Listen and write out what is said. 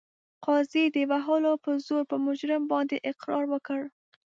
قاضي د وهلو په زور په مجرم باندې اقرار وکړ.